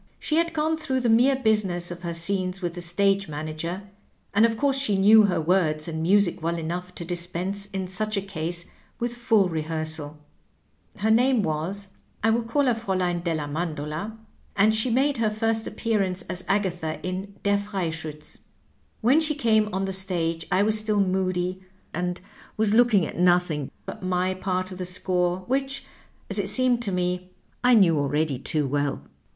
She had gone through the mere business of her scenes with the stage manager, and of course she knew her words and music well enough to dispense in such a case with full rehearsal. Her name was — ^I will call her Fraulein della Mandola — ^and she made her first appearance as Agatha in ^ Der Freischiitz.' " When she came on the stage I was still moody, and was looking at nothing but my part of the score, which, as it seemed to me, I knew already too well.